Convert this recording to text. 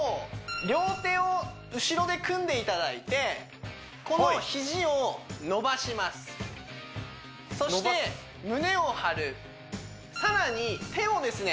両手を後ろで組んでいただいてこの肘を伸ばしますそして胸を張る更に手をですね